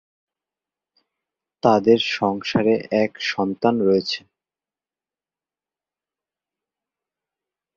তাদের সংসারে এক সন্তান রয়েছে।